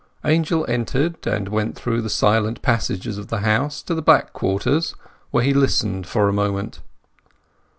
Angel entered, and went through the silent passages of the house to the back quarters, where he listened for a moment.